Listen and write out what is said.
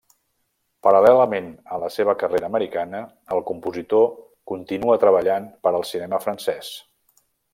Paral·lelament a la seva carrera americana, el compositor continua treballant per al cinema francès.